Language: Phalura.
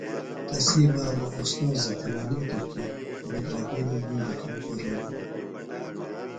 تسی بابہ اوستوذہ تھےۡ منِیتوۡ کی بُدرَگیۡ نوۡ کمزورئی بِھلو ہِنوۡ۔